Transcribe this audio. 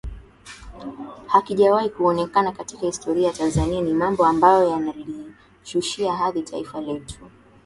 hakijawahi kuonekana katika historia ya Tanzania ni mambo ambayo yanalishushia hadhi taifa letu